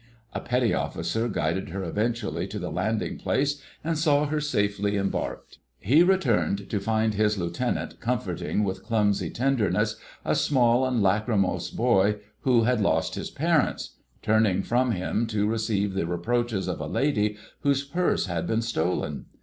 A Petty Officer guided her eventually to the landing place and saw her safely embarked; he returned to find his Lieutenant comforting with clumsy tenderness a small and lacrymose boy who had lost his parents, turning from him to receive the reproaches of a lady whose purse had been stolen.